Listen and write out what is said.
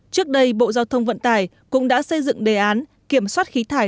trước đây bộ giao thông vận tải cũng đã xây dựng đề án kiểm soát khí thải